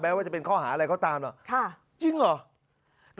ว่าจะเป็นข้อหาอะไรก็ตามจริงเหรอ